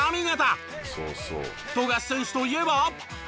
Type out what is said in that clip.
富樫選手といえば。